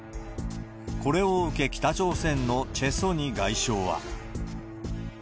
これを受け、北朝鮮のチェ・ソニ外相は。